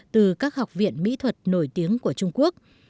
từ các học viện mỹ thuật nổi tiếng của trung quốc